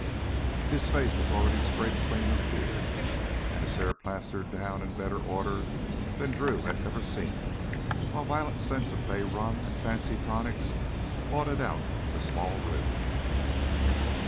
His face was already scraped clean of beard, and his hair plastered down into better order than Drew had ever seen it, while violent scents of bay rum and fancy tonics fought it out in the small room.